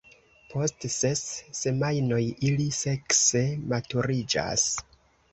Post ses semajnoj ili sekse maturiĝas.